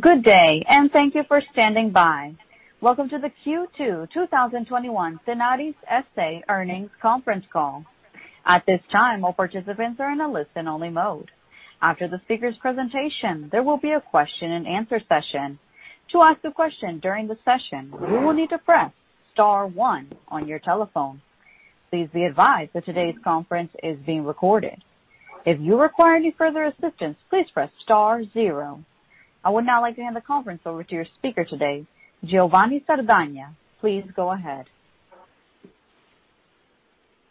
Good day. Thank you for standing by. Welcome To the Q2 2021 Tenaris S.A. earnings conference call. At this time, all participants are in a listen-only mode. After the speakers' presentation, there will be a Q&A session. To ask a question during the session, you will need to press star one on your telephone. Please be advised that today's conference is being recorded. If you require any further assistance, please press star zero. I would now like to hand the conference over to your speaker today, Giovanni Sardagna. Please go ahead.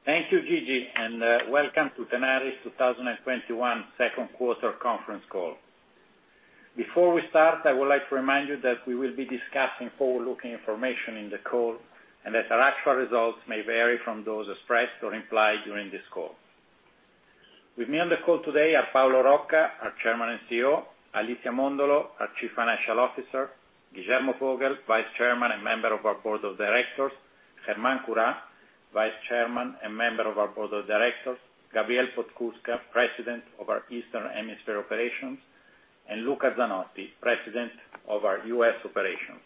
Thank you, Gigi, and welcome to Tenaris 2021 second quarter conference call. Before we start, I would like to remind you that we will be discussing forward-looking information in the call, and that our actual results may vary from those expressed or implied during this call. With me on the call today are Paolo Rocca, our Chairman and CEO, Alicia Mondolo, our Chief Financial Officer, Guillermo Vogel, Vice Chairman and member of our Board of Directors, Germán Curá, Vice Chairman and member of our Board of Directors, Gabriel Podskubka, President of our Eastern Hemisphere Operations, and Luca Zanotti, President of our U.S. operations.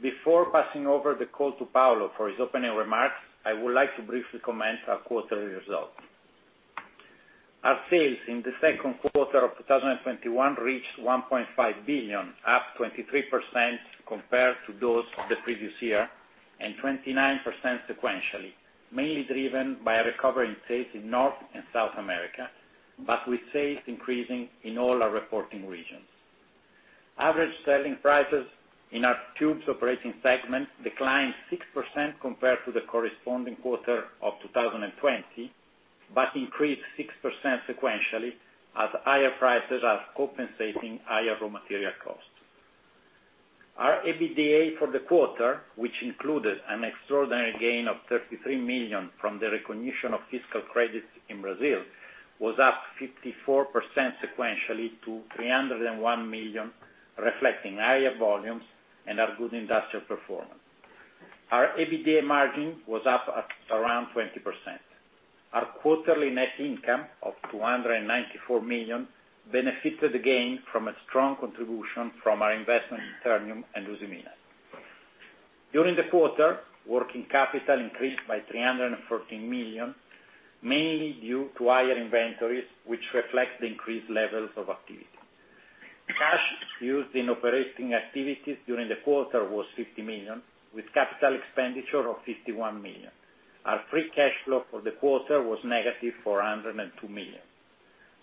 Before passing over the call to Paolo for his opening remarks, I would like to briefly comment our quarterly results. Our sales in the second quarter of 2021 reached $1.5 billion, up 23% compared to those of the previous year, and 29% sequentially, mainly driven by a recovery in sales in North and South America, but with sales increasing in all our reporting regions. Average selling prices in our tubes operating segment declined 6% compared to the corresponding quarter of 2020, but increased 6% sequentially as higher prices are compensating higher raw material costs. Our EBITDA for the quarter, which included an extraordinary gain of $33 million from the recognition of fiscal credits in Brazil, was up 54% sequentially to $301 million, reflecting higher volumes and our good industrial performance. Our EBITDA margin was up at around 20%. Our quarterly net income of $294 million benefited again from a strong contribution from our investment in Ternium and Usiminas. During the quarter, working capital increased by $314 million, mainly due to higher inventories, which reflect the increased levels of activity. Cash used in operating activities during the quarter was $50 million, with capital expenditure of $51 million. Our free cash flow for the quarter was negative $402 million.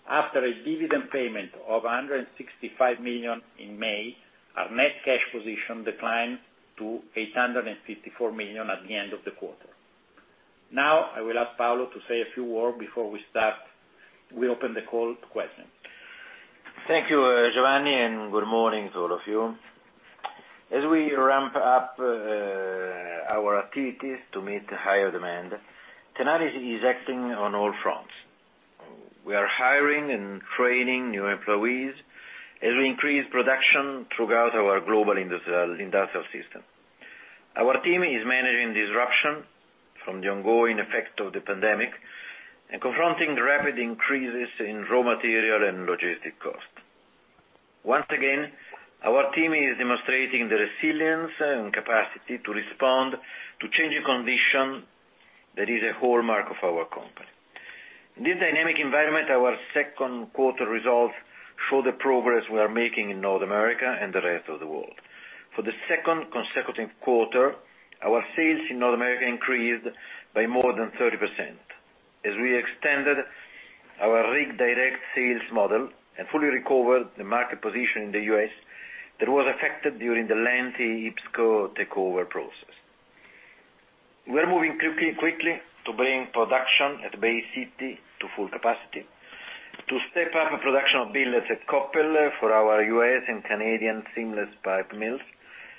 After a dividend payment of $165 million in May, our net cash position declined to $854 million at the end of the quarter. I will ask Paolo to say a few words before we open the call to questions. Thank you, Giovanni, and good morning to all of you. As we ramp up our activities to meet higher demand, Tenaris is acting on all fronts. We are hiring and training new employees as we increase production throughout our global industrial system. Our team is managing disruption from the ongoing effect of the pandemic and confronting rapid increases in raw material and logistic costs. Once again, our team is demonstrating the resilience and capacity to respond to changing condition that is a hallmark of our company. In this dynamic environment, our second quarter results show the progress we are making in North America and the rest of the world. For the second consecutive quarter, our sales in North America increased by more than 30%, as we extended our Rig Direct sales model and fully recovered the market position in the U.S. that was affected during the lengthy IPSCO takeover process. We are moving quickly to bring production at Baytown to full capacity, to step up production of billets at Koppel for our U.S. and Canadian seamless pipe mills,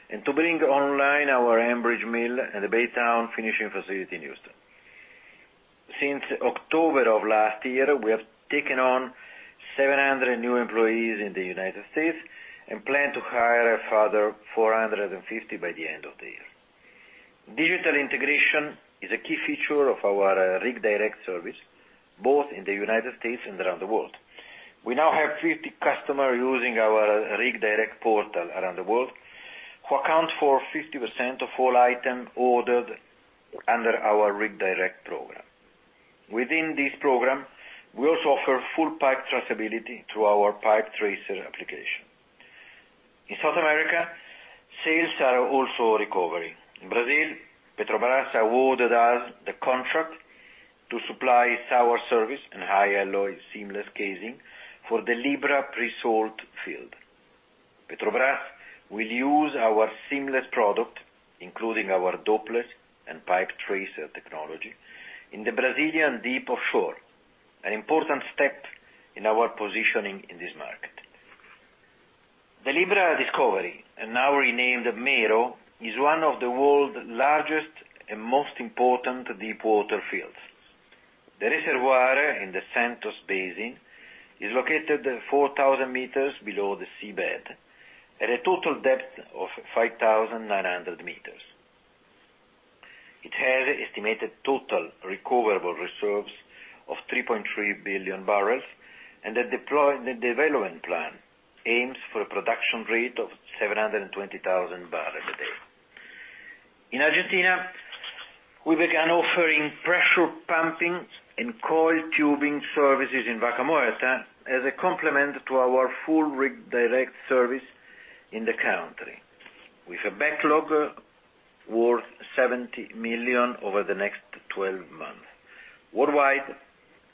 and to bring online our Ambridge mill and the Baytown finishing facility in Houston. Since October of last year, we have taken on 700 new employees in the United States and plan to hire a further 450 by the end of the year. Digital integration is a key feature of our Rig Direct service, both in the United States and around the world. We now have 50 customers using our Rig Direct portal around the world who account for 50% of all items ordered under our Rig Direct program. Within this program, we also offer full pipe traceability through our PipeTracer application. In South America, sales are also recovering. In Brazil, Petrobras awarded us the contract to supply sour service and high alloy seamless casing for the Libra pre-salt field. Petrobras will use our seamless product, including our Dopeless and PipeTracer technology, in the Brazilian deep offshore, an important step in our positioning in this market. The Libra Discovery, now renamed the Mero, is one of the world's largest and most important deepwater fields. The reservoir in the Santos Basin is located 4,000 m below the seabed at a total depth of 5,900 m. Has estimated total recoverable reserves of 3.3 billion bbl, and the development plan aims for a production rate of 720,000 bbl a day. In Argentina, we began offering pressure pumping and coiled tubing services in Vaca Muerta as a complement to our full Rig Direct service in the country, with a backlog worth $70 million over the next 12 months. Worldwide,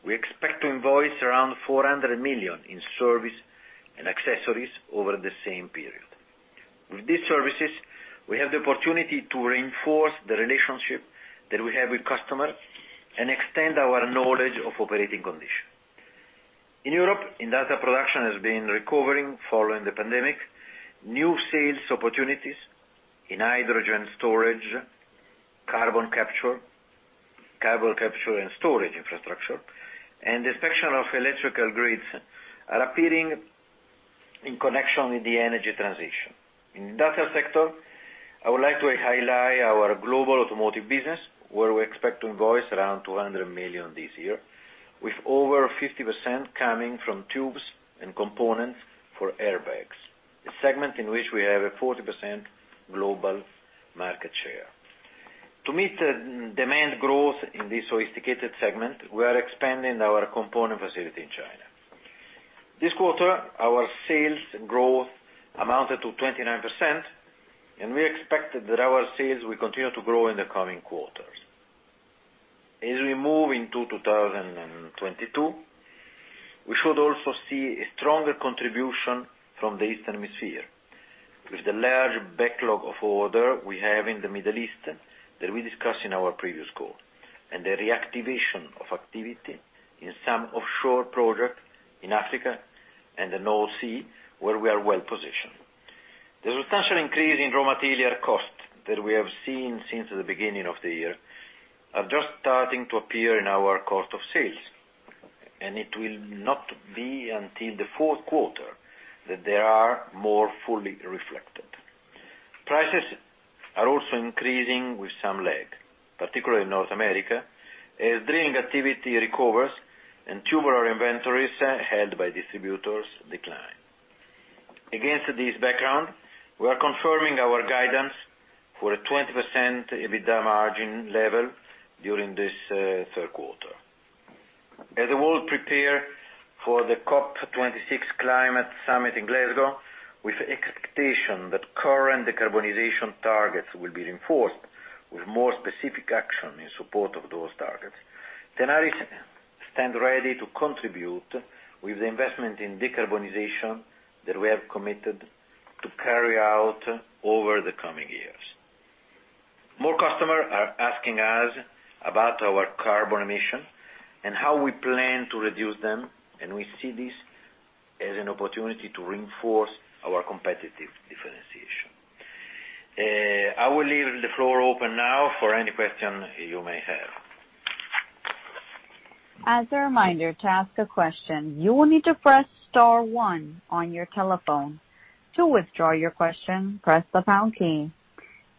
we expect to invoice around $400 million in service and accessories over the same period. With these services, we have the opportunity to reinforce the relationship that we have with customers and extend our knowledge of operating conditions. In Europe, industrial production has been recovering following the pandemic. New sales opportunities in hydrogen storage, carbon capture, and storage infrastructure, and the section of electrical grids are appearing in connection with the energy transition. In the industrial sector, I would like to highlight our global automotive business, where we expect to invoice around $200 million this year, with over 50% coming from tubes and components for airbags, a segment in which we have a 40% global market share. To meet the demand growth in this sophisticated segment, we are expanding our component facility in China. This quarter, our sales growth amounted to 29%. We expect that our sales will continue to grow in the coming quarters. As we move into 2022, we should also see a stronger contribution from the Eastern Hemisphere with the large backlog of orders we have in the Middle East that we discussed in our previous call, and the reactivation of activity in some offshore projects in Africa and the North Sea, where we are well-positioned. The substantial increase in raw material costs that we have seen since the beginning of the year are just starting to appear in our cost of sales. It will not be until the fourth quarter that they are more fully reflected. Prices are also increasing with some lag, particularly in North America, as drilling activity recovers and tubular inventories held by distributors decline. Against this background, we are confirming our guidance for a 20% EBITDA margin level during this third quarter. As the world prepares for the COP26 climate summit in Glasgow, with expectations that current decarbonization targets will be reinforced, with more specific action in support of those targets, Tenaris stands ready to contribute with the investment in decarbonization that we have committed to carry out over the coming years. More customers are asking us about our carbon emission and how we plan to reduce them, and we see this as an opportunity to reinforce our competitive differentiation. I will leave the floor open now for any questions you may have. As a reminder, to ask a question, you will need to press star one on your telephone. To withdraw your question, press the pound key.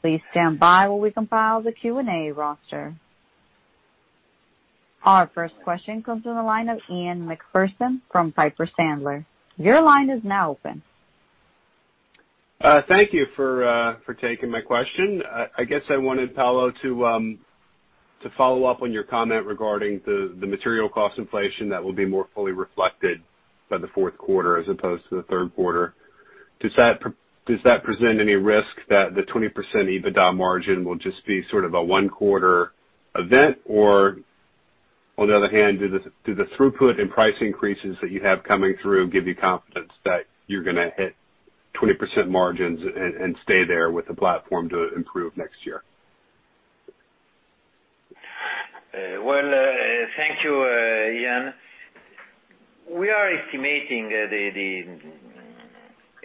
Please stand by while we compile the Q&A roster. Our first question comes from the line of Ian Macpherson from Piper Sandler. Your line is now open. Thank you for taking my question. I guess I wanted, Paolo, to follow up on your comment regarding the material cost inflation that will be more fully reflected by the fourth quarter as opposed to the third quarter. Does that present any risk that the 20% EBITDA margin will just be sort of a one-quarter event? On the other hand, do the throughput and price increases that you have coming through give you confidence that you're going to hit 20% margins and stay there with the platform to improve next year? Well, thank you, Ian. We are estimating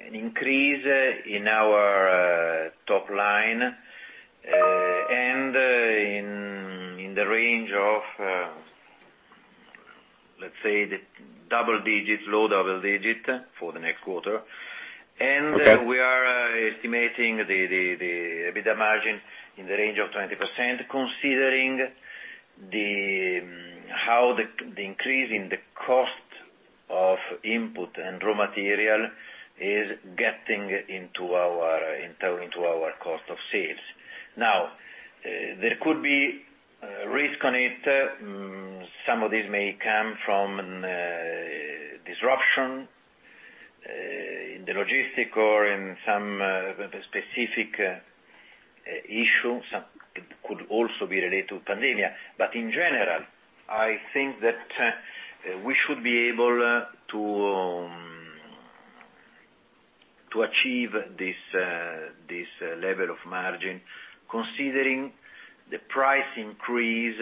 an increase in our top line, and in the range of, let's say, low double digits for the next quarter. Okay. We are estimating the EBITDA margin in the range of 20%, considering how the increase in the cost of input and raw material is getting into our cost of sales. There could be risk on it. Some of this may come from disruption in the logistics or in some specific issue. Some could also be related to the pandemic. In general, I think that we should be able to achieve this level of margin, considering the price increase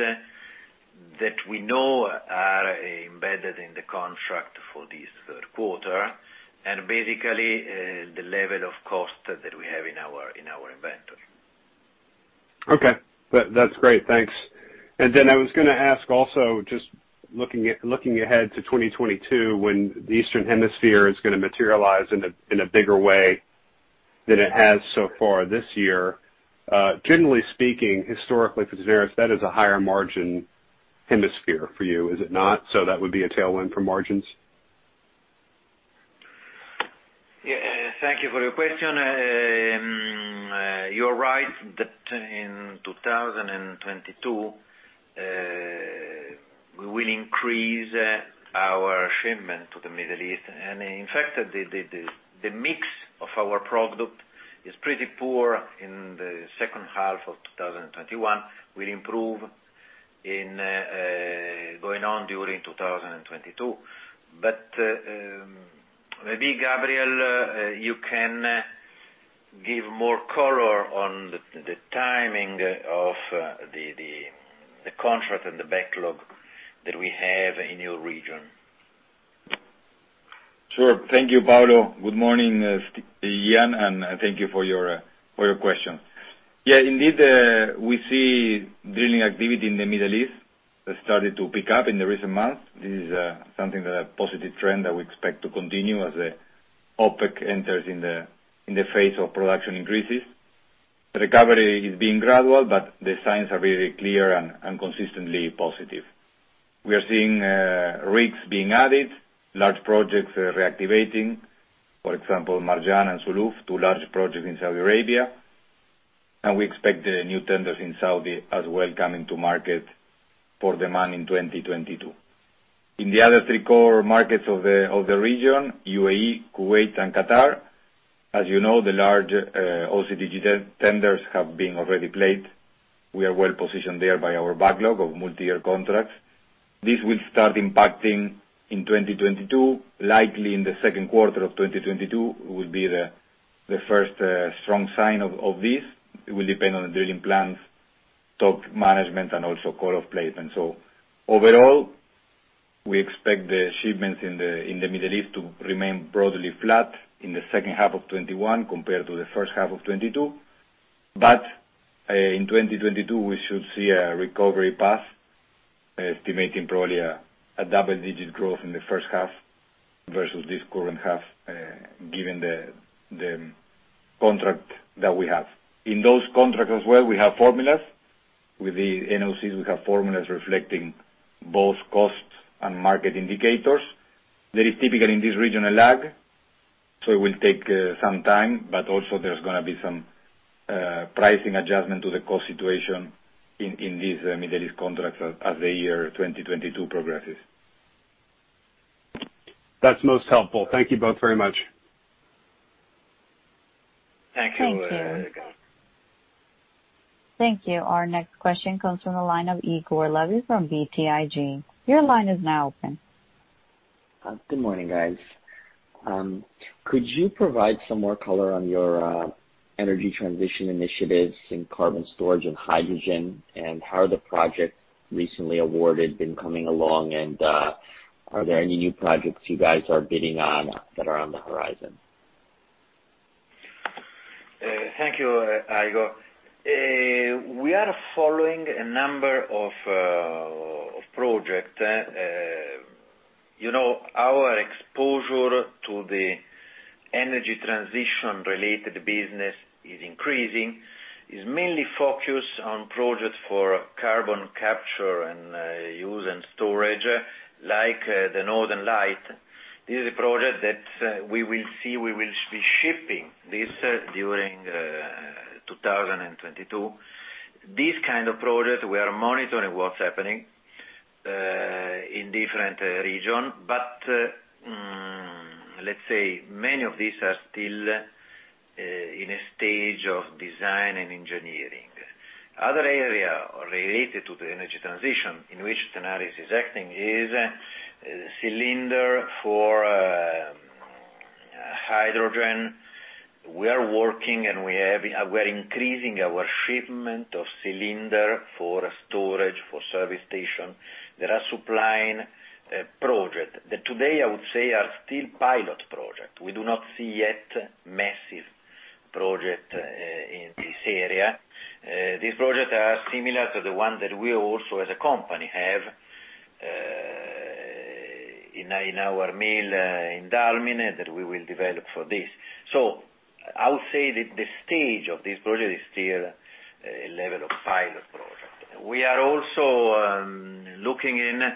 that we know are embedded in the contract for this third quarter, and basically, the level of cost that we have in our inventory. Okay. That's great. Thanks. I was going to ask also, just looking ahead to 2022, when the Eastern Hemisphere is going to materialize in a bigger way than it has so far this year. Generally speaking, historically for Tenaris, that is a higher margin hemisphere for you, is it not? That would be a tailwind for margins? Yeah. Thank you for your question. You're right that in 2022, we will increase our shipment to the Middle East. In fact, the mix of our product is pretty poor in the second half of 2021, will improve going on during 2022. Maybe Gabriel, you can give more color on the timing of the contract and the backlog that we have in your region. Sure. Thank you, Paolo. Good morning, Ian, and thank you for your question. Yeah, indeed, we see drilling activity in the Middle East that started to pick up in the recent months. This is something that a positive trend that we expect to continue as OPEC enters in the phase of production increases. Recovery is being gradual, but the signs are very clear and consistently positive. We are seeing rigs being added, large projects reactivating, for example, Marjan and Zuluf, two large projects in Saudi Arabia. We expect the new tenders in Saudi as well coming to market for demand in 2022. In the other three core markets of the region, UAE, Kuwait, and Qatar, as you know, the large OCTG tenders have been already played. We are well positioned there by our backlog of multi-year contracts. This will start impacting in 2022, likely in the second quarter of 2022 will be the first strong sign of this. It will depend on drilling plans, top management, and also core placement. Overall, we expect the shipments in the Middle East to remain broadly flat in the second half of 2021 compared to the first half of 2022. In 2022, we should see a recovery path, estimating probably a double-digit growth in the first half versus this current half, given the contract that we have. In those contracts as well, we have formulas. With the NOCs, we have formulas reflecting both costs and market indicators. There is typically, in this region, a lag, so it will take some time, but also there's going to be some pricing adjustment to the cost situation in these Middle East contracts as the year 2022 progresses. That's most helpful. Thank you both very much. Thank you. Thank you. Thank you. Our next question comes from the line of Igor Levi from BTIG. Your line is now open. Good morning, guys. Could you provide some more color on your energy transition initiatives in carbon storage and hydrogen, and how the project recently awarded been coming along? Are there any new projects you guys are bidding on that are on the horizon? Thank you, Igor. We are following a number of project. Our exposure to the energy transition related business is increasing. It's mainly focused on projects for carbon capture and use and storage, like the Northern Lights. This is a project that we will see, we will be shipping this during 2022. This kind of project, we are monitoring what's happening, in different region. Let's say many of these are still in a stage of design and engineering. Other area related to the energy transition in which Tenaris is acting is cylinder for hydrogen. We are working and we're increasing our shipment of cylinder for storage, for service station. There are supplying project that today I would say are still pilot project. We do not see yet massive project, in this area. These projects are similar to the one that we also, as a company, have in our mill in Dalmine that we will develop for this. I would say that the stage of this project is still a level of pilot project. We are also looking in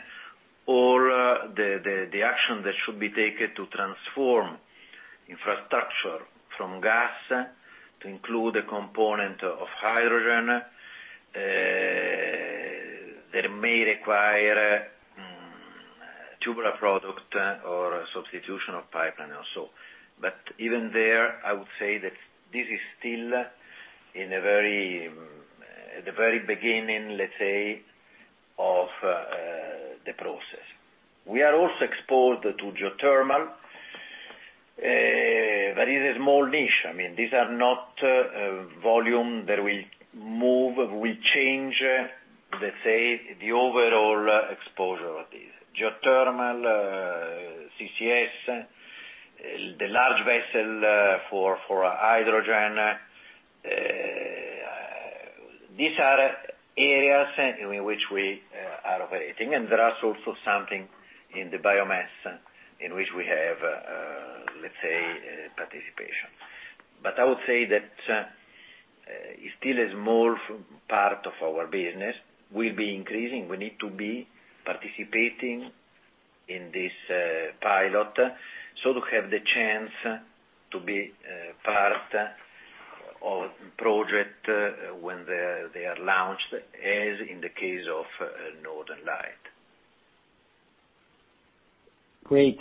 all the action that should be taken to transform infrastructure from gas to include a component of hydrogen, that may require tubular product or substitution of pipeline also. Even there, I would say that this is still at the very beginning, let's say, of the process. We are also exposed to geothermal. That is a small niche. These are not volume that will move, will change, let's say, the overall exposure of this. Geothermal, CCS, the large vessel for hydrogen. These are areas in which we are operating, and there are also some in the biomass, in which we have, let's say, participation. I would say that it still is small part of our business. We'll be increasing. We need to be participating in this pilot so to have the chance to be part of project when they are launched, as in the case of Northern Lights. Great.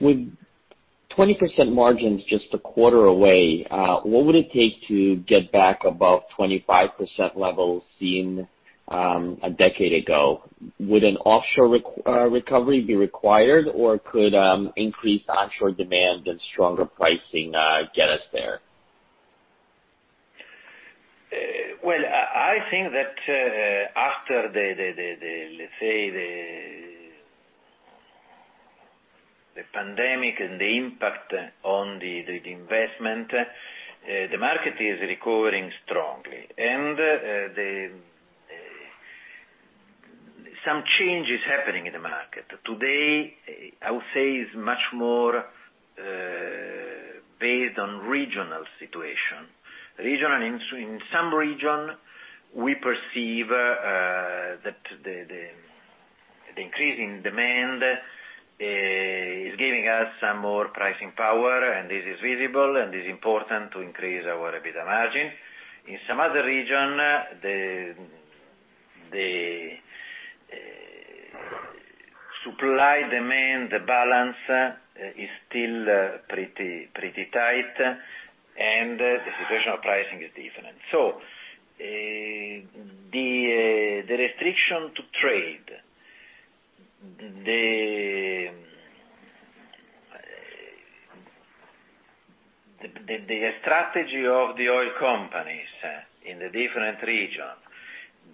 With 20% margins just a quarter away, what would it take to get back above 25% levels seen a decade ago? Would an offshore recovery be required, or could increased onshore demand and stronger pricing get us there? Well, I think that after, let's say, the pandemic and the impact on the investment, the market is recovering strongly, and some change is happening in the market. Today, I would say it's much more based on regional situation. In some region, we perceive that the increase in demand is giving us some more pricing power, and this is visible and is important to increase our EBITDA margin. In some other region, the supply-demand balance is still pretty tight, and the situational pricing is different. The restriction to trade, the strategy of the oil companies in the different region,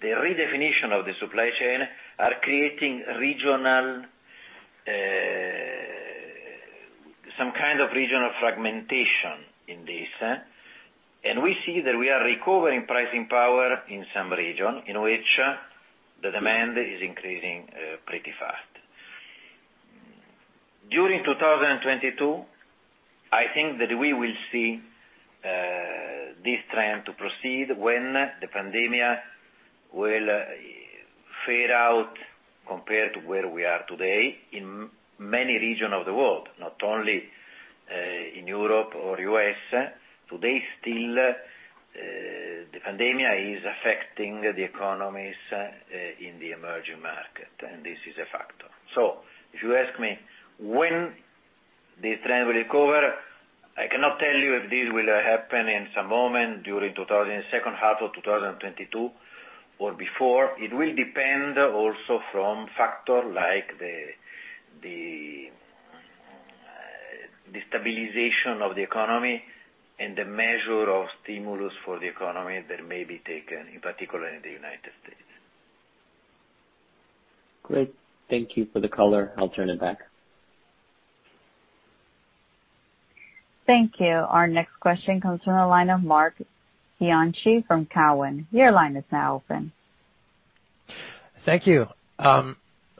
the redefinition of the supply chain are creating some kind of regional fragmentation in this. We see that we are recovering pricing power in some region in which the demand is increasing pretty fast. During 2022, I think that we will see this trend to proceed when the pandemic will fade out compared to where we are today in many regions of the world, not only in Europe or U.S. Today, still, the pandemic is affecting the economies in the emerging market, and this is a factor. If you ask me when this trend will recover, I cannot tell you if this will happen in some moment during second half of 2022 or before. It will depend also from factor like the stabilization of the economy and the measure of stimulus for the economy that may be taken, in particular in the United States. Great. Thank you for the color. I'll turn it back. Thank you. Our next question comes from the line of Marc Bianchi from Cowen. Your line is now open. Thank you.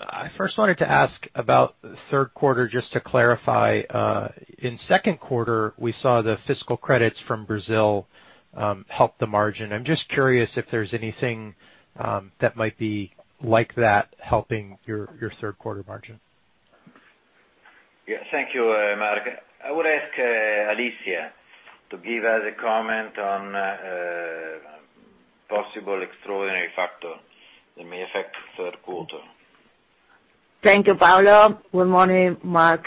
I first wanted to ask about the third quarter, just to clarify. In second quarter, we saw the fiscal credits from Brazil help the margin. I'm just curious if there's anything that might be like that helping your third quarter margin. Yeah. Thank you, Marc. I would ask Alicia to give us a comment on possible extraordinary factor that may affect third quarter. Thank you, Paolo. Good morning, Marc.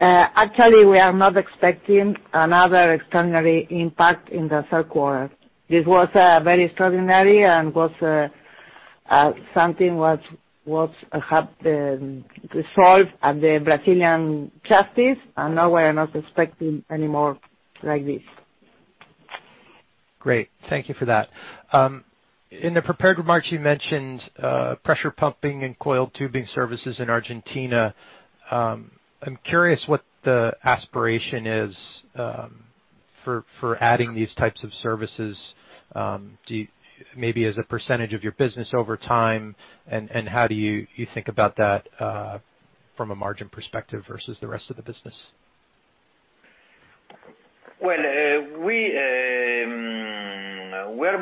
Actually, we are not expecting another extraordinary impact in the third quarter. This was very extraordinary and was something what have been resolved at the Brazilian justice. Now we are not expecting any more like this. Great. Thank you for that. In the prepared remarks, you mentioned pressure pumping and coiled tubing services in Argentina. I'm curious what the aspiration is for adding these types of services, maybe as a percentage of your business over time, and how do you think about that from a margin perspective versus the rest of the business? Well, we're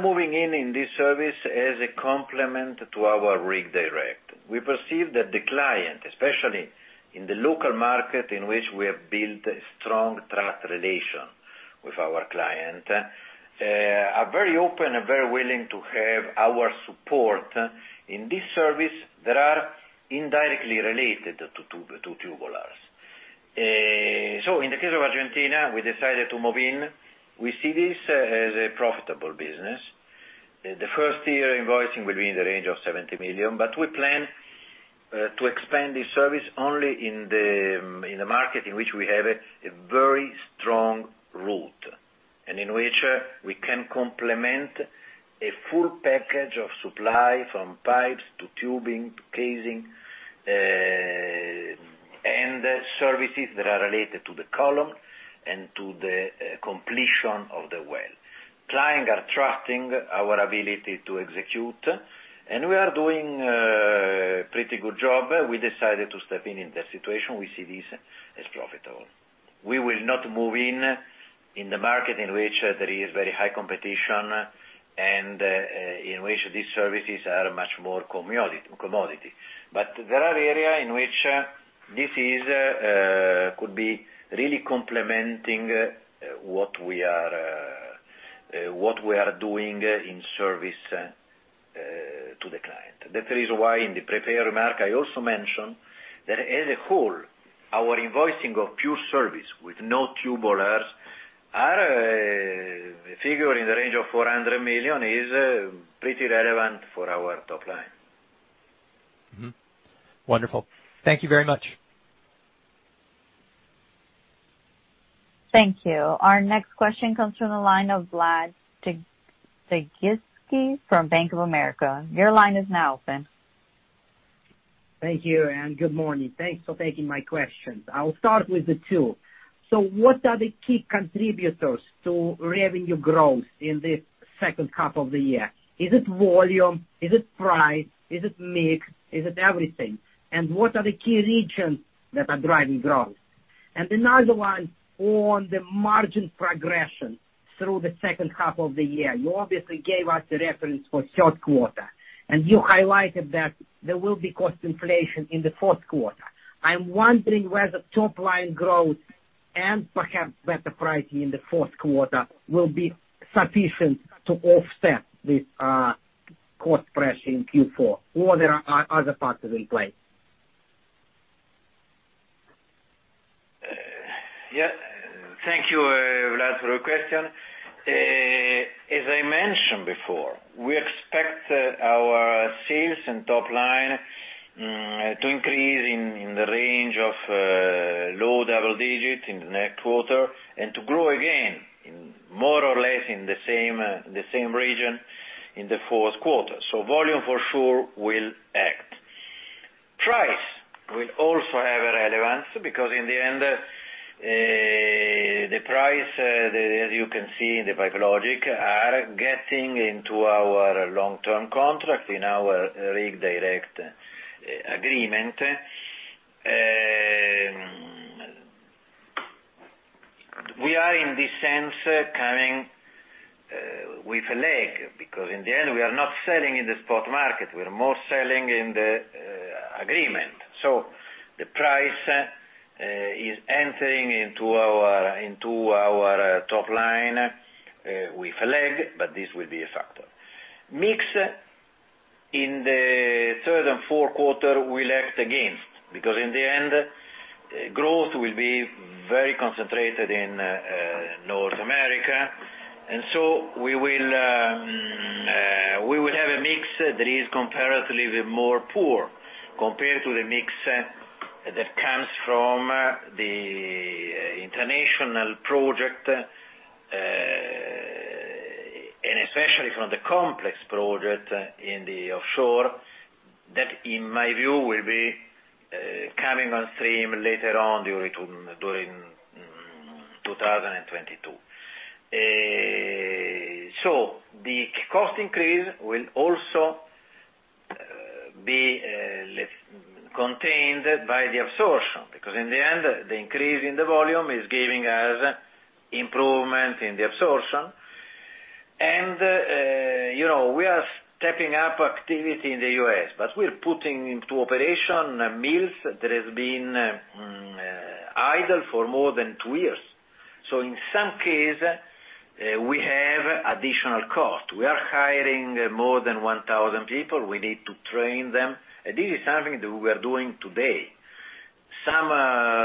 moving in in this service as a complement to our Rig Direct. We perceive that the client, especially in the local market in which we have built a strong trust relation with our client, are very open and very willing to have our support in this service that are indirectly related to tubulars. In the case of Argentina, we decided to move in. We see this as a profitable business. The first year invoicing will be in the range of $70 million. We plan to expand this service only in the market in which we have a very strong route, and in which we can complement a full package of supply from pipes to tubing to casing, and services that are related to the column and to the completion of the well. Clients are trusting our ability to execute, and we are doing a pretty good job. We decided to step in that situation, we see this as profitable. We will not move in the market in which there is very high competition and in which these services are much more commodity. There are areas in which this could be really complementing what we are doing in service to the client. That is why in the prepared remark, I also mentioned that as a whole, our invoicing of pure service with no tubulars are a figure in the range of $400 million is pretty relevant for our top line. Mm-hmm. Wonderful. Thank you very much. Thank you. Our next question comes from the line of Vlad Sergievskii from Bank of America. Your line is now open. Thank you, and good morning. Thanks for taking my questions. I will start with the two. What are the key contributors to revenue growth in the second half of the year? Is it volume? Is it price? Is it mix? Is it everything? What are the key regions that are driving growth? Another one on the margin progression through the second half of the year. You obviously gave us the reference for third quarter, and you highlighted that there will be cost inflation in the fourth quarter. I'm wondering whether top line growth and perhaps better pricing in the fourth quarter will be sufficient to offset this cost pressure in Q4. Are there other factors in play? Yeah. Thank you, Vlad, for your question. As I mentioned before, we expect our sales and top line to increase in the range of low double-digit in the next quarter and to grow again in more or less in the same region in the fourth quarter. Volume for sure will act. Price will also have a relevance because in the end, the price, as you can see in the Pipe Logix, are getting into our long-term contract, in our Rig Direct agreement. We are, in this sense, coming with a lag because in the end, we are not selling in the spot market, we're more selling in the agreement. The price is entering into our top line with a lag. This will be a factor. Mix in the third and fourth quarter will act again, because in the end, growth will be very concentrated in North America. We will have a mix that is comparatively more poor compared to the mix that comes from the international project, and especially from the complex project in the offshore, that in my view, will be coming on stream later on during 2022. The cost increase will also be contained by the absorption, because in the end, the increase in the volume is giving us improvement in the absorption. We are stepping up activity in the U.S., but we're putting into operation mills that has been idle for more than two years. In some case, we have additional cost. We are hiring more than 1,000 people. We need to train them. This is something that we are doing today. Some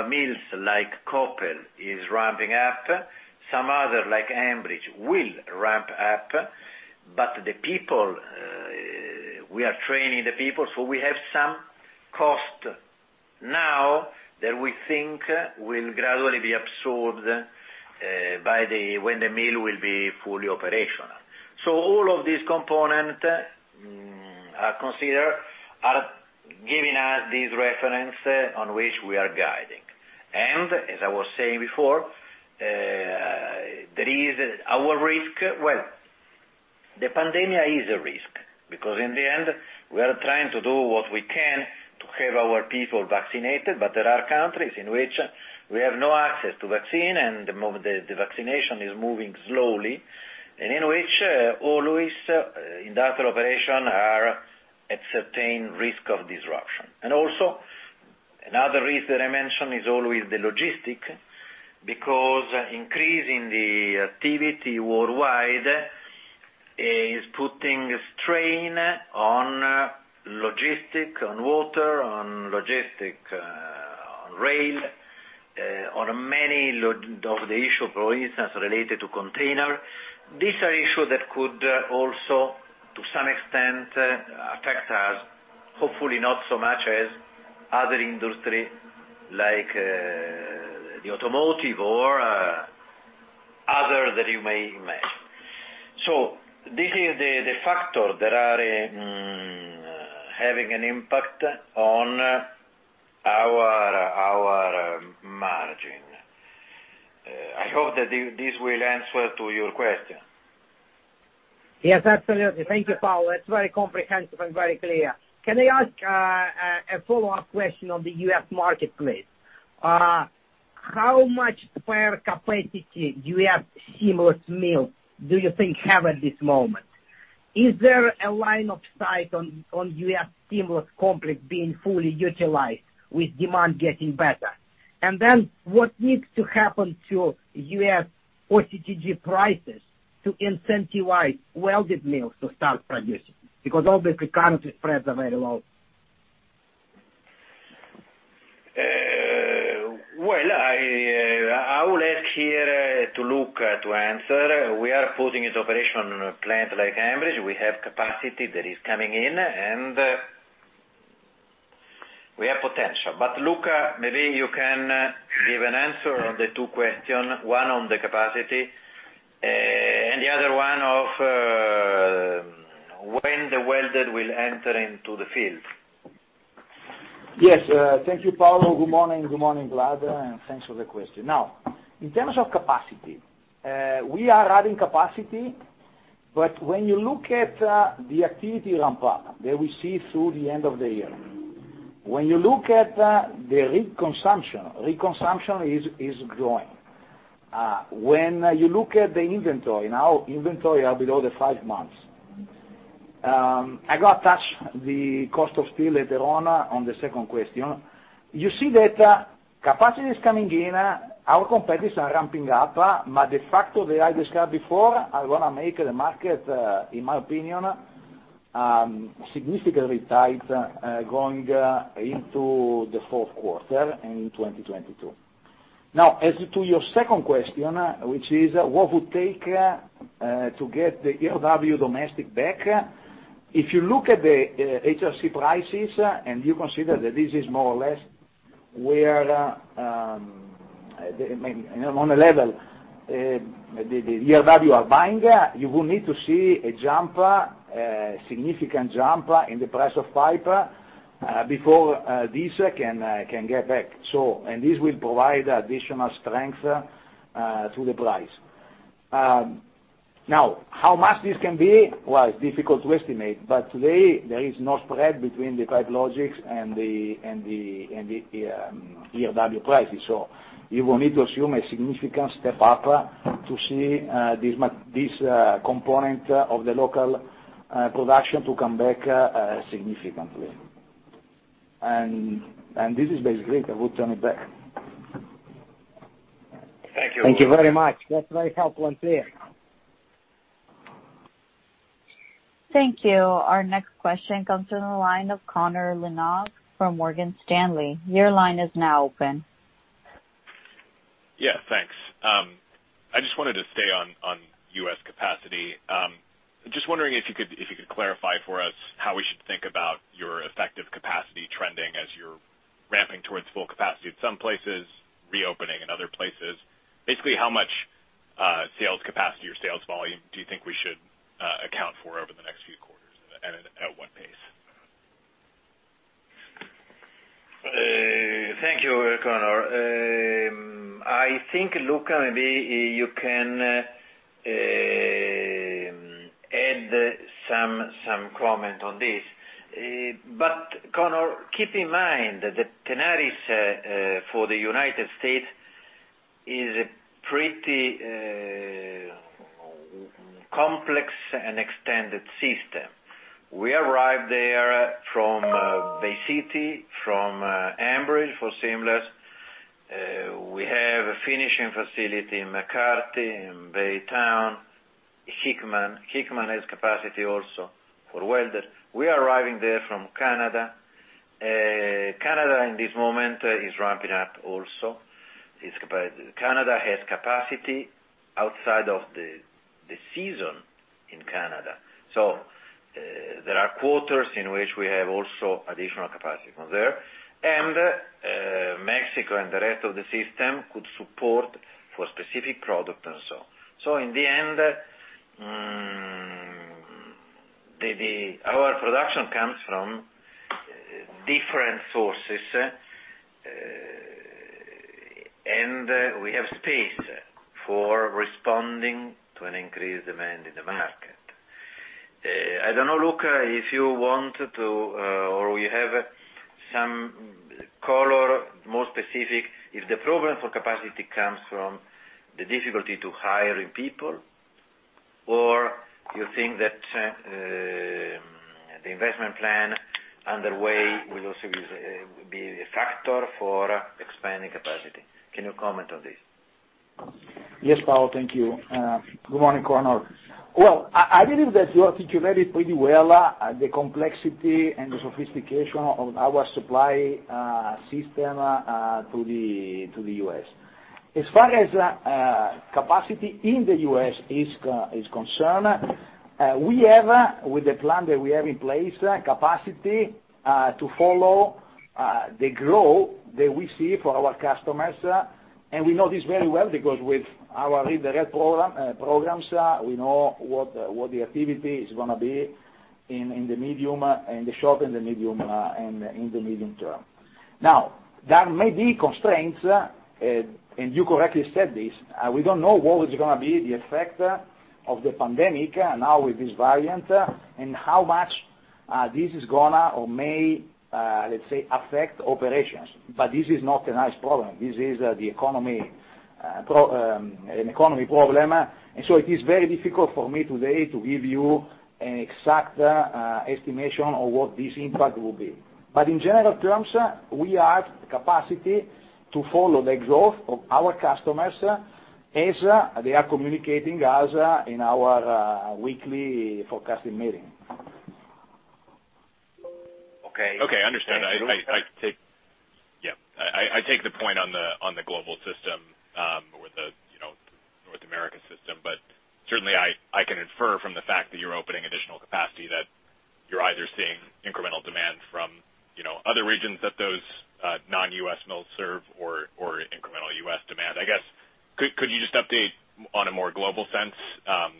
mills, like Koppel, is ramping up. Some other, like Ambridge, will ramp up. We are training the people, so we have some cost now that we think will gradually be absorbed when the mill will be fully operational. All of these component are giving us this reference on which we are guiding. As I was saying before, the pandemic is a risk, because in the end, we are trying to do what we can to have our people vaccinated, but there are countries in which we have no access to vaccine, and the vaccination is moving slowly, and in which always industrial operation are at certain risk of disruption. Also, another risk that I mentioned is always the logistic, because increase in the activity worldwide is putting strain on logistic on water, on logistic on rail, on many of the issue, for instance, related to container. These are issues that could also, to some extent, affect us, hopefully not so much as other industry like the automotive. This is the factor that are having an impact on our margin. I hope that this will answer to your question. Yes, absolutely. Thank you, Paolo. It's very comprehensive and very clear. Can I ask a follow-up question on the U.S. marketplace? How much spare capacity do you have seamless mills, do you think have at this moment? Is there a line of sight on U.S. seamless complex being fully utilized with demand getting better? What needs to happen to U.S. OCTG prices to incentivize welded mills to start producing? Obviously currently spreads are very low. Well, I will ask here to Luca to answer. We are putting into operation a plant like Ambridge. We have capacity that is coming in, and we have potential. Luca, maybe you can give an answer on the two question, one on the capacity, and the other one, when the welded will enter into the field. Yes. Thank you, Paolo. Good morning. Good morning, Vlad, and thanks for the question. In terms of capacity, we are adding capacity. When you look at the activity ramp-up that we see through the end of the year, when you look at the reconsumption is growing. When you look at the inventory, now inventory are below the five months. I got to touch the cost of steel later on the second question. You see that capacity is coming in, our competitors are ramping up. The factor that I described before are going to make the market, in my opinion, significantly tight, going into the fourth quarter in 2022. As to your second question, which is what would take to get the ERW domestic back. If you look at the HRC prices, and you consider that this is more or less where, on a level, the ERW are buying, you will need to see a jump, a significant jump in the price of pipe before this can get back. This will provide additional strength to the price. Now, how much this can be? Well, it's difficult to estimate. Today, there is no spread between the Pipe Logix and the ERW prices. You will need to assume a significant step up to see this component of the local production to come back significantly. This is basically it. I will turn it back. Thank you. Thank you very much. That's very helpful and clear. Thank you. Our next question comes from the line of Connor Lynagh from Morgan Stanley. Your line is now open. Thanks. I just wanted to stay on U.S. capacity. Just wondering if you could clarify for us how we should think about your effective capacity trending as you're ramping towards full capacity at some places, reopening in other places. Basically, how much sales capacity or sales volume do you think we should account for over the next few quarters and at what pace? Thank you, Connor. I think, Luca, maybe you can add some comment on this. Connor, keep in mind that Tenaris, for the U.S., is a pretty complex and extended system. We arrived there from Bay City, from Ambridge for seamless. We have a finishing facility in McCarty, in Baytown, Hickman. Hickman has capacity also for welded. We are arriving there from Canada. Canada, in this moment, is ramping up also. Canada has capacity outside of the season in Canada. There are quarters in which we have also additional capacity from there. Mexico and the rest of the system could support for specific product and so on. In the end, our production comes from different sources, and we have space for responding to an increased demand in the market. I don't know, Luca, if you want to, or you have some color, more specific, if the program for capacity comes from the difficulty to hiring people, or you think that the investment plan underway will also be a factor for expanding capacity? Can you comment on this? Yes, Paolo. Thank you. Good morning, Connor. Well, I believe that you articulated pretty well the complexity and the sophistication of our supply system to the U.S. As far as capacity in the U.S. is concerned, we have, with the plan that we have in place, capacity to follow the growth that we see for our customers, and we know this very well because with our Rig Direct programs, we know what the activity is going to be in the short and the medium term. There may be constraints, and you correctly said this. We don't know what is going to be the effect of the pandemic now with this variant, and how much this is going to or may, let's say, affect operations. This is not a nice problem. This is an economy problem. It is very difficult for me today to give you an exact estimation of what this impact will be. In general terms, we are at the capacity to follow the growth of our customers as they are communicating us in our weekly forecasting meeting. Okay. I understand. I take the point on the global system, with the North American system. Certainly I can infer from the fact that you're opening additional capacity that you're either seeing incremental demand from other regions that those non-U.S. mills serve or incremental U.S. demand. I guess, could you just update on a more global sense, are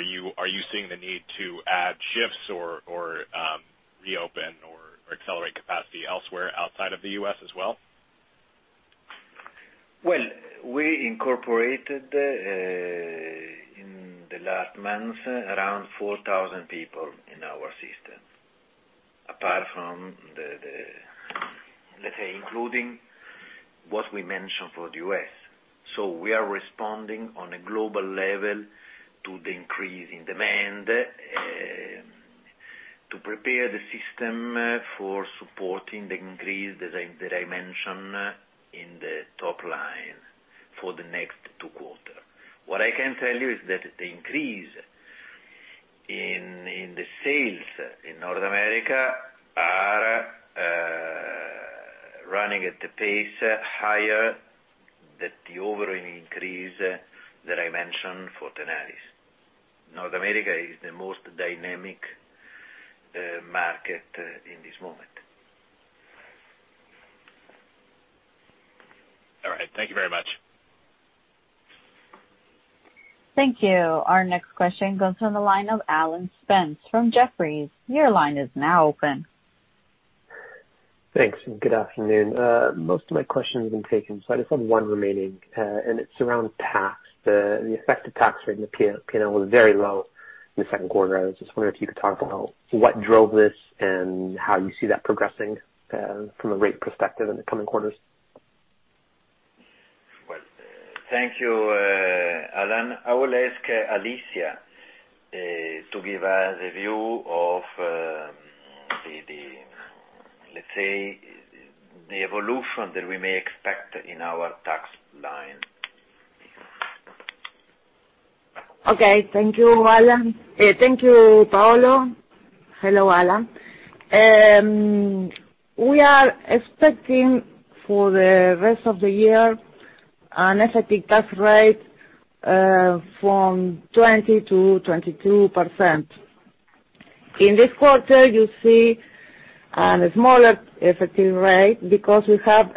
you seeing the need to add shifts or reopen or accelerate capacity elsewhere outside of the U.S. as well? Well, we incorporated, in the last month, around 4,000 people in our system, apart from the, let's say, including what we mentioned for the U.S. We are responding on a global level to the increase in demand, to prepare the system for supporting the increase that I mentioned in the top line for the next two quarter. What I can tell you is that the increase in the sales in North America are running at a pace higher than the overall increase that I mentioned for Tenaris. North America is the most dynamic market in this moment. All right. Thank you very much. Thank you. Our next question goes to the line of Alan Spence from Jefferies. Your line is now open. Thanks, and good afternoon. Most of my question's been taken, so I just have one remaining, and it's around tax. The effective tax rate in the P&L was very low in the second quarter. I was just wondering if you could talk about what drove this and how you see that progressing from a rate perspective in the coming quarters. Well, thank you, Alan. I will ask Alicia to give us a view of the, let's say, the evolution that we may expect in our tax line. Okay. Thank you, Alan. Thank you, Paolo. Hello, Alan. We are expecting for the rest of the year an effective tax rate from 20%-22%. In this quarter, you see a smaller effective rate because we have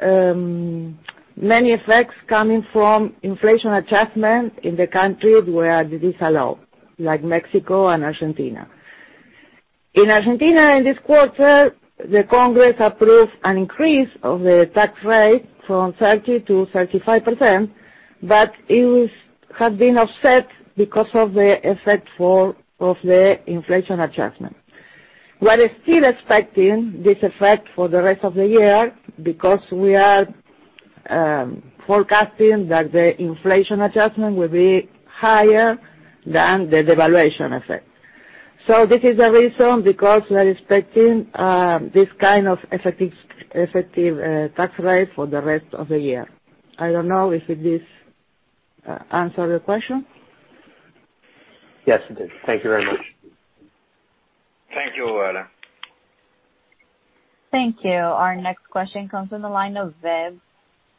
many effects coming from inflation adjustment in the country where this allow, like Mexico and Argentina. In Argentina, in this quarter, the Congress approved an increase of the tax rate from 30%-35%, it has been offset because of the effect of the inflation adjustment. We are still expecting this effect for the rest of the year because we are forecasting that the inflation adjustment will be higher than the devaluation effect. This is the reason because we are expecting this kind of effective tax rate for the rest of the year. I don't know if this answer your question. Yes, it did. Thank you very much. Thank you, Alan. Thank you. Our next question comes from the line of Vebs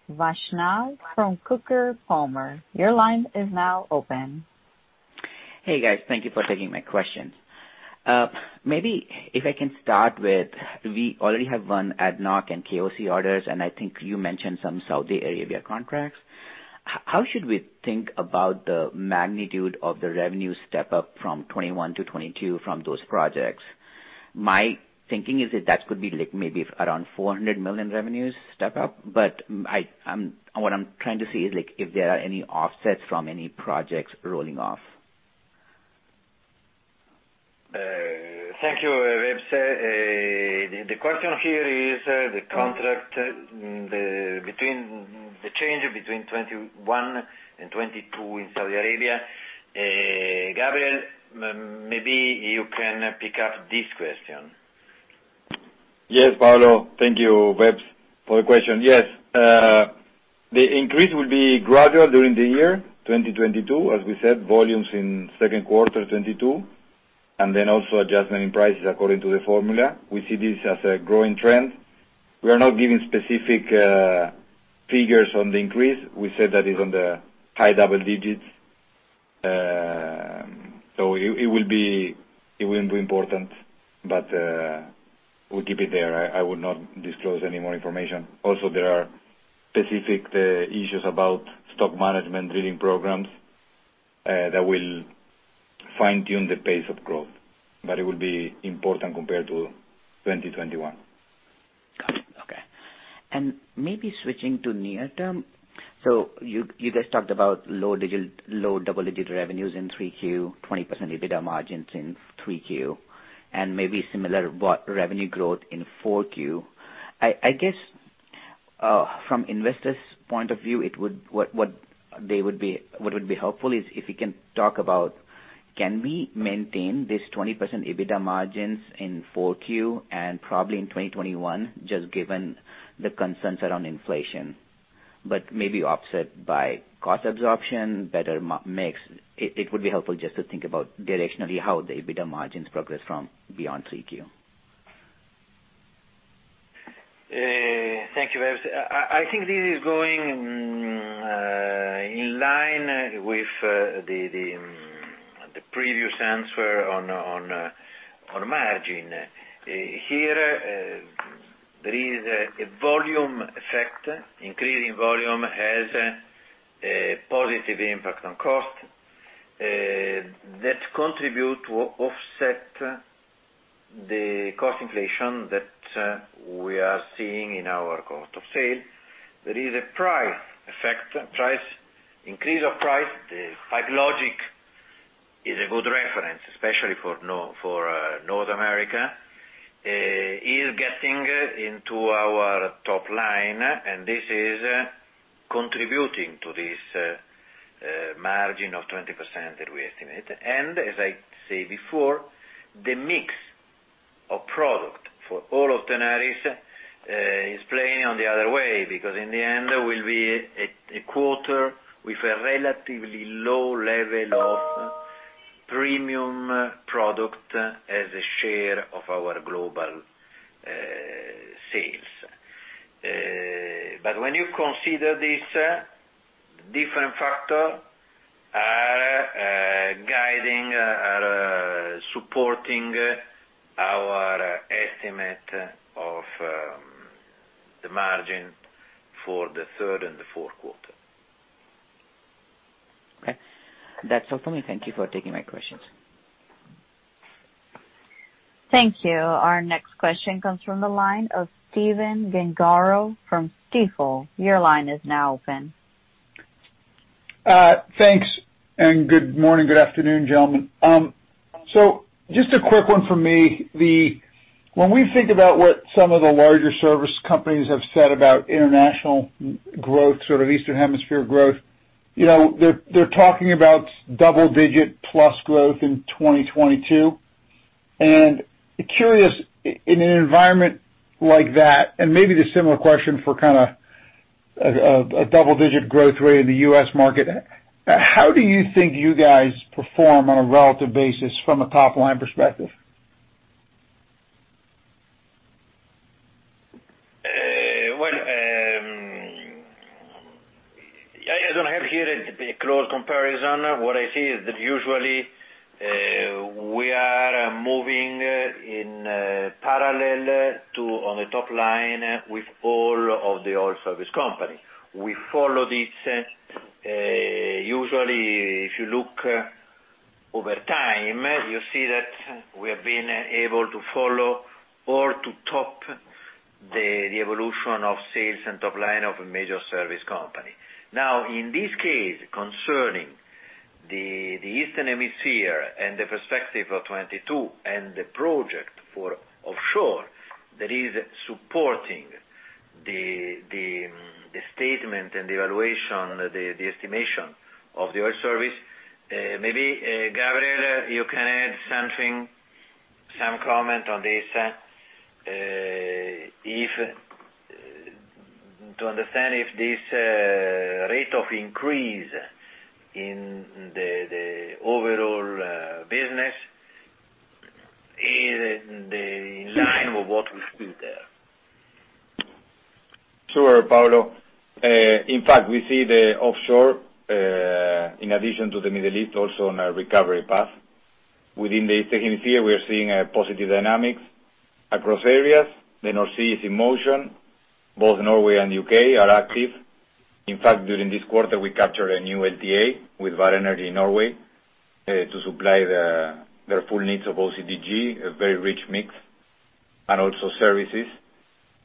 Vaishnav from Coker Palmer. Your line is now open. Hey, guys. Thank you for taking my questions. Maybe if I can start with, we already have won ADNOC and KOC orders, and I think you mentioned some Saudi Arabia contracts. How should we think about the magnitude of the revenue step up from 2021 to 2022 from those projects? My thinking is that could be maybe around $400 million revenues step up. What I'm trying to see is if there are any offsets from any projects rolling off. Thank you, Vebs. The question here is the contract, the change between 2021 and 2022 in Saudi Arabia. Gabriel, maybe you can pick up this question. Paolo. Thank you, Vebs, for the question. The increase will be gradual during the year 2022. As we said, volumes in Q2 2022, and then also adjustment in prices according to the formula. We see this as a growing trend. We are not giving specific figures on the increase. We said that is on the high double digits. It will be important, but we'll keep it there. I would not disclose any more information. There are specific issues about stock management drilling programs that will fine-tune the pace of growth, but it will be important compared to 2021. Got it. Okay. Maybe switching to near term. You guys talked about low double-digit revenues in 3Q, 20% EBITDA margins in 3Q, and maybe similar revenue growth in 4Q. I guess, from investors' point of view, what would be helpful is if you can talk about, can we maintain this 20% EBITDA margins in 4Q and probably in 2021, just given the concerns around inflation, but maybe offset by cost absorption, better mix? It would be helpful just to think about directionally how the EBITDA margins progress from beyond 3Q. Thank you, Vaibhav. I think this is going in line with the previous answer on margin. Here, there is a volume effect. Increasing volume has a positive impact on cost. That contribute to offset the cost inflation that we are seeing in our cost of sale. There is a price effect. Increase of price, the Pipe Logix is a good reference, especially for North America, is getting into our top line, and this is contributing to this margin of 20% that we estimate. As I say before, the mix of product for all of Tenaris is playing on the other way, because in the end will be a quarter with a relatively low level of premium product as a share of our global sales. When you consider this different factor are guiding, are supporting our estimate of the margin for the third and the fourth quarter. Okay. That's all for me. Thank you for taking my questions. Thank you. Our next question comes from the line of Stephen Gengaro from Stifel. Your line is now open. Thanks, and good morning. Good afternoon, gentlemen. Just a quick one for me. When we think about what some of the larger service companies have said about international growth, sort of Eastern Hemisphere growth, they're talking about double-digit plus growth in 2022. Curious, in an environment like that, and maybe the similar question for kind of a double-digit growth rate in the U.S. market, how do you think you guys perform on a relative basis from a top-line perspective? I don't have here a close comparison. What I see is that usually, we are moving in parallel to on the top line with all of the oil service company. We follow this. Usually, if you look over time, you see that we have been able to follow or to top the evolution of sales and top line of a major service company. In this case, concerning the Eastern Hemisphere and the perspective of 2022 and the project for offshore that is supporting the statement and the evaluation, the estimation of the oil service. Gabriel, you can add something, some comment on this, to understand if this rate of increase in the overall business is in line with what we see there. Sure, Paolo. In fact, we see the offshore, in addition to the Middle East, also on a recovery path. Within the Eastern Hemisphere, we are seeing a positive dynamics across areas. The North Sea is in motion. Both Norway and U.K. are active. In fact, during this quarter, we captured a new LTA with Vår Energi in Norway, to supply their full needs of OCTG, a very rich mix, and also services.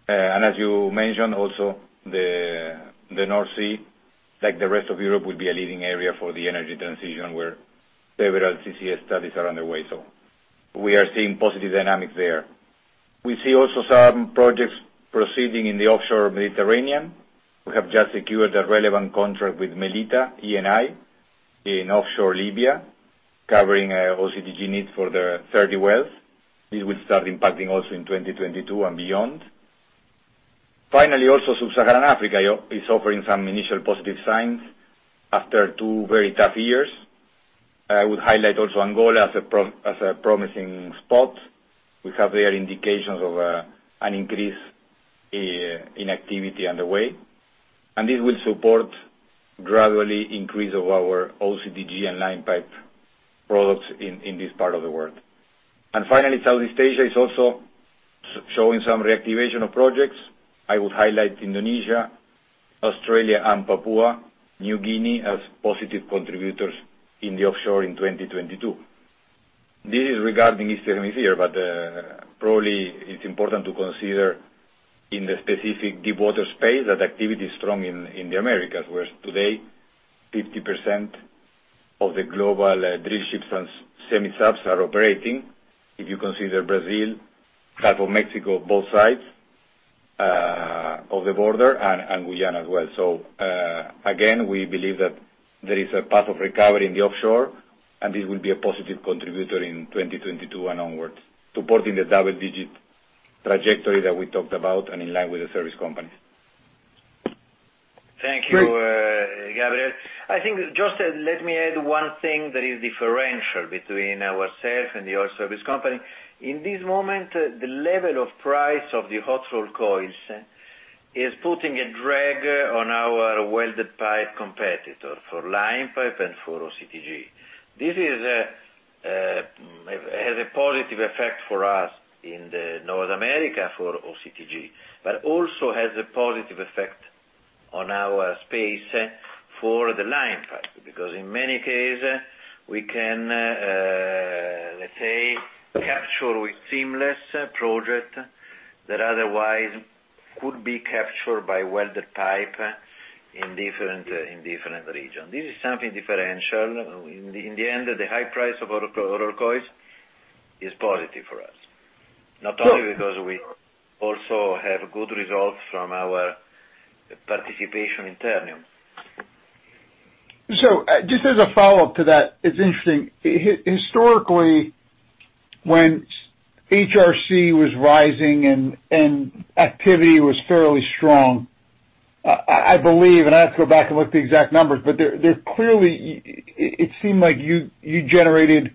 As you mentioned, also the North Sea, like the rest of Europe, will be a leading area for the energy transition, where several CCS studies are underway. We are seeing positive dynamics there. We see also some projects proceeding in the offshore Mediterranean. We have just secured a relevant contract with Mellitah, Eni in offshore Libya, covering OCTG needs for the 30 wells. This will start impacting also in 2022 and beyond. Finally, also Sub-Saharan Africa is offering some initial positive signs after two very tough years. I would highlight also Angola as a promising spot. We have there indications of an increase in activity underway. This will support gradually increase of our OCTG and line pipe products in this part of the world. Finally, Southeast Asia is also showing some reactivation of projects. I would highlight Indonesia, Australia, and Papua New Guinea as positive contributors in the offshore in 2022. This is regarding Eastern Hemisphere, but probably it's important to consider in the specific deepwater space that activity is strong in the Americas, whereas today, 50% of the global drill ships and semi-subs are operating. If you consider Brazil, Gulf of Mexico, both sides of the border, and Guyana as well. Again, we believe that there is a path of recovery in the offshore, and this will be a positive contributor in 2022 and onwards, supporting the double-digit trajectory that we talked about and in line with the service companies. Thank you, Gabriel. I think just let me add one thing that is differential between ourselves and the oil service company. In this moment, the level of price of the hot-rolled coils is putting a drag on our welded pipe competitor for line pipe and for OCTG. This has a positive effect for us in North America for OCTG, but also has a positive effect on our space for the line pipe, because in many case, we can, let's say, capture with seamless project that otherwise could be captured by welded pipe in different region. This is something differential. In the end, the high price of hot-rolled coils is positive for us, not only because we also have good results from our participation in Ternium. Just as a follow-up to that, it's interesting. Historically, when HRC was rising and activity was fairly strong, I believe, and I have to go back and look at the exact numbers, but there clearly, it seemed like you generated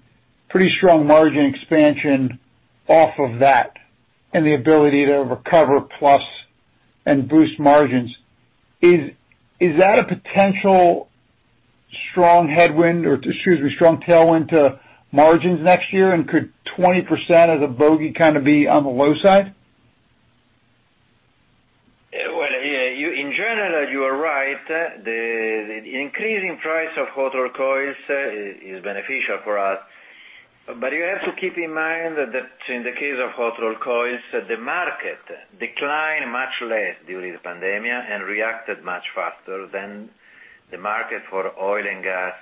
pretty strong margin expansion off of that and the ability to recover plus and boost margins. Is that a potential strong headwind, or excuse me, strong tailwind to margins next year? And could 20% of the bogey kind of be on the low side? Well, yeah, in general, you are right. The increasing price of hot-rolled coils is beneficial for us. You have to keep in mind that in the case of hot-rolled coils, the market declined much less during the pandemic and reacted much faster than the market for oil and gas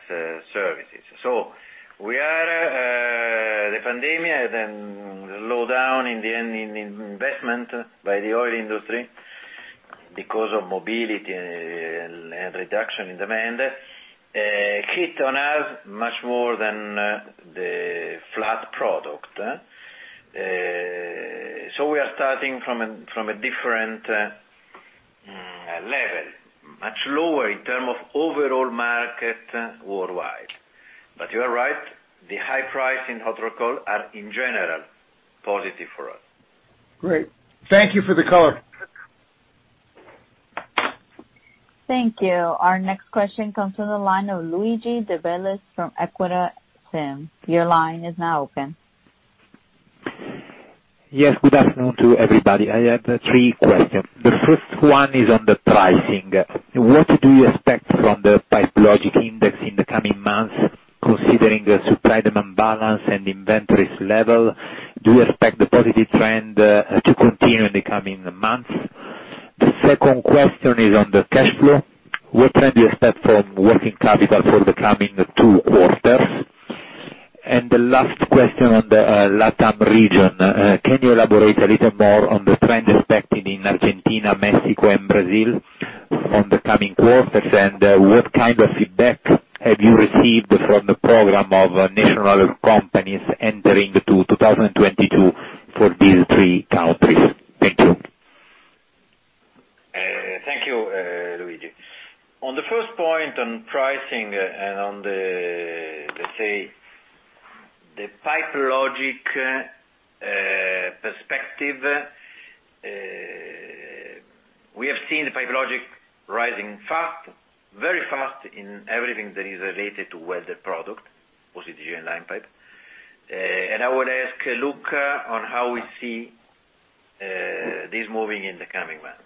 services. The pandemic then low down in the investment by the oil industry because of mobility and reduction in demand, hit on us much more than the flat product. We are starting from a different level, much lower in term of overall market worldwide. You are right, the high price in hot-rolled coil are, in general, positive for us. Great. Thank you for the color. Thank you. Our next question comes from the line of Luigi De Bellis from EQUITA SIM. Your line is now open. Yes. Good afternoon to everybody. I have three questions. The first one is on the pricing. What do you expect from the Pipe Logix index in the coming months, considering the supply-demand balance and inventories level? Do you expect the positive trend to continue in the coming months? The second question is on the cash flow. What trend do you expect from working capital for the coming two quarters? The last question on the LatAm region. Can you elaborate a little more on the trend expected in Argentina, Mexico, and Brazil on the coming quarters, and what kind of feedback have you received from the program of national companies entering to 2022 for these three countries? Thank you. Thank you, Luigi. On the first point on pricing and on the, let's say, the Pipe Logix perspective, we have seen the Pipe Logix rising fast, very fast in everything that is related to welded product, OCTG, and line pipe. I would ask Luca on how we see this moving in the coming months.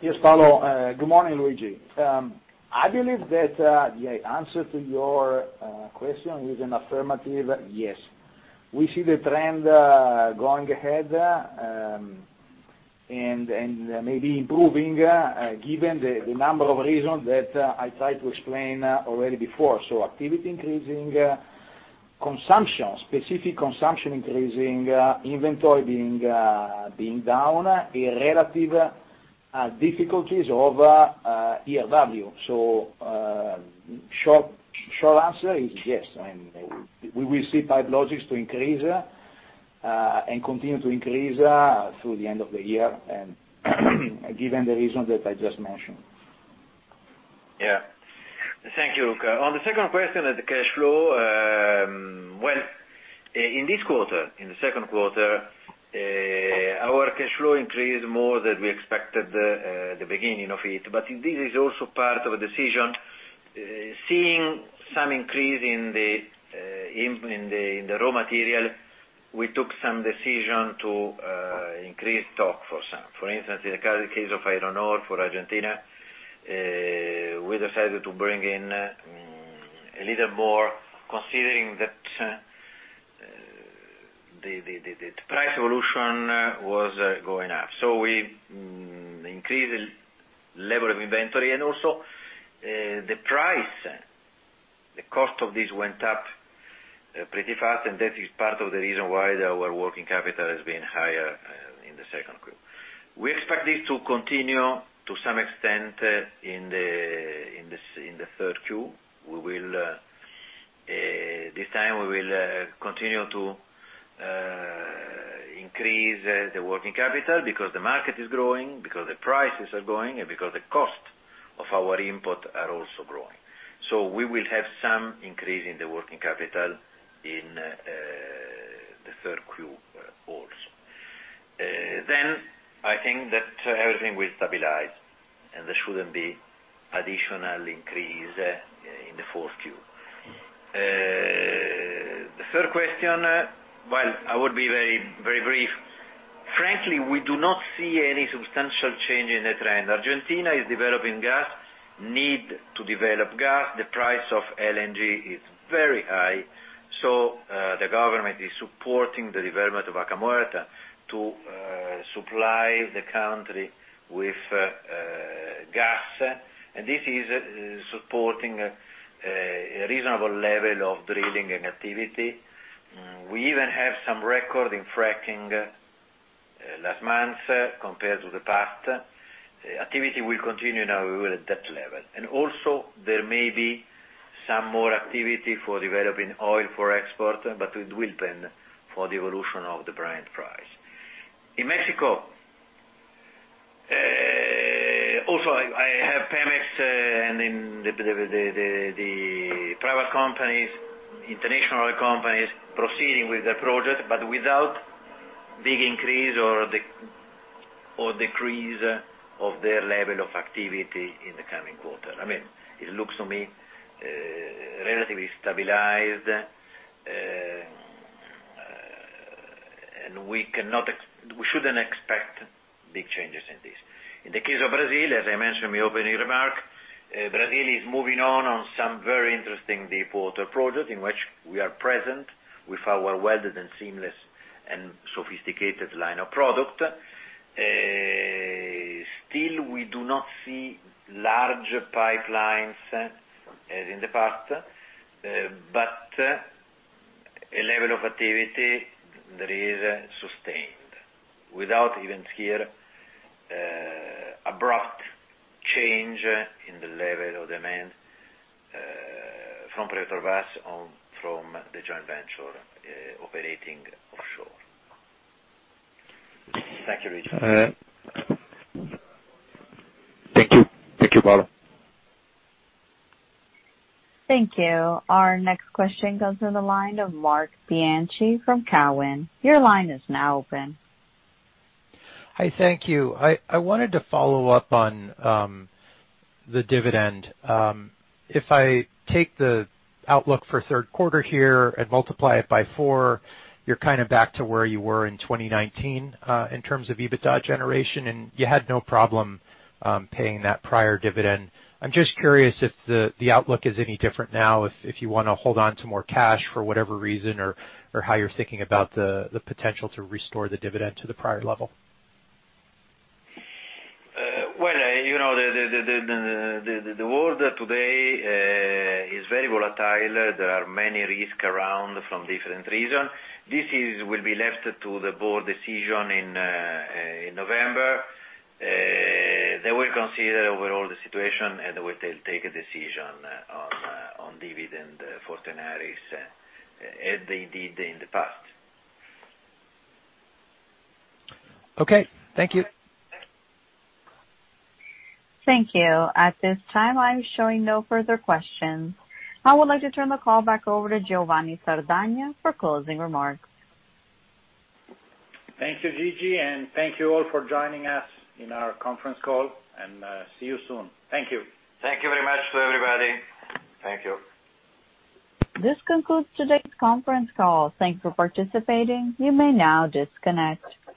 Yes, Paolo. Good morning, Luigi. I believe that the answer to your question is an affirmative yes. We see the trend going ahead, and maybe improving, given the number of reasons that I tried to explain already before. Activity increasing, consumption, specific consumption increasing, inventory being down, the relative difficulties of ERW. Short answer is yes, we will see Pipe Logix to increase and continue to increase through the end of the year and given the reasons that I just mentioned. Yeah. Thank you. On the second question on the cash flow, well, in this quarter, in the second quarter, our cash flow increased more than we expected at the beginning of it. This is also part of a decision. Seeing some increase in the raw material, we took some decision to increase stock for some. For instance, in the current case of iron ore for Argentina, we decided to bring in a little more, considering that the price evolution was going up. We increased the level of inventory, and also the price, the cost of this went up pretty fast, and that is part of the reason why our working capital has been higher in the second quarter. We expect this to continue to some extent in the 3rd Q. This time, we will continue to increase the working capital because the market is growing, because the prices are going, and because the cost of our input are also growing. We will have some increase in the working capital in the 3rd Q also. I think that everything will stabilize, and there shouldn't be additional increase in the 4th Q. The third question, well, I would be very brief. Frankly, we do not see any substantial change in the trend. Argentina is developing gas, need to develop gas. The price of LNG is very high. The government is supporting the development of Vaca Muerta to supply the country with gas. This is supporting a reasonable level of drilling and activity. We even have some record in fracking last month compared to the past. Activity will continue now at that level. Also, there may be some more activity for developing oil for export, but it will depend for the evolution of the Brent price. In Mexico, also, I have Pemex and the private companies, international oil companies proceeding with their project, but without big increase or decrease of their level of activity in the coming quarter. It looks to me relatively stabilized. We shouldn't expect big changes in this. In the case of Brazil, as I mentioned in my opening remark, Brazil is moving on on some very interesting deepwater project in which we are present with our welded and seamless and sophisticated line of product. Still, we do not see large pipelines as in the past, but a level of activity that is sustained without even here abrupt change in the level of demand from Petrobras or from the joint venture operating offshore. Thank you, Richard. Thank you, Paolo. Thank you. Our next question goes to the line of Marc Bianchi from Cowen. Your line is now open. Hi, thank you. I wanted to follow up on the dividend. If I take the outlook for third quarter here and multiply it by four, you're kind of back to where you were in 2019, in terms of EBITDA generation, and you had no problem paying that prior dividend. I'm just curious if the outlook is any different now, if you want to hold on to more cash for whatever reason, or how you're thinking about the potential to restore the dividend to the prior level. Well, the world today is very volatile. There are many risks around from different regions. This will be left to the board decision in November. They will consider overall the situation, and they will take a decision on dividend for Tenaris, as they did in the past. Okay, thank you. Thank you. At this time, I'm showing no further questions. I would like to turn the call back over to Giovanni Sardagna for closing remarks. Thank you, Gigi, and thank you all for joining us in our conference call, and see you soon. Thank you. Thank you very much to everybody. Thank you. This concludes today's conference call. Thanks for participating. You may now disconnect.